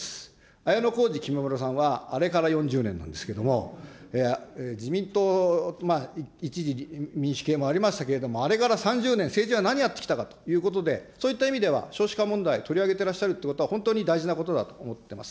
綾小路きみまろさんは、あれから４０年なんですけれども、自民党、一時民主系もありましたけれども、あれから３０年、政治は何やってきたかということで、そういった意味では、少子化問題、取り上げてらっしゃるということは、本当に大事なことだと思ってます。